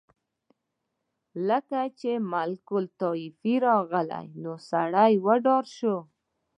کله چې ملک الموت راغی نو سړی وډار شو.